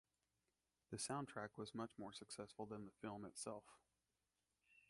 That soundtrack was much more successful than the film itself.